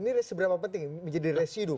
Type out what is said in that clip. ini seberapa penting menjadi residu